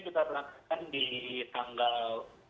kita lakukan di tanggal